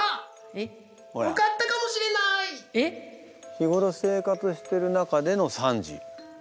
日頃生活してる中での３時。